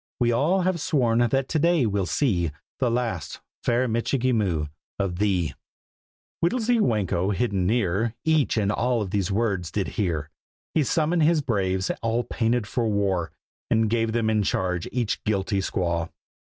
We all have sworn that to day we'll see The last, fair Michikee Moo, of thee!" Whittlesy Whanko, hidden near, Each and all of these words did hear. He summoned his braves, all painted for war, And gave them in charge each guilty squaw.